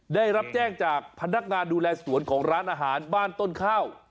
ได้รับแจ้งจากพนักงานดูแลสวนของร้านอาหารบ้านต้นข้าว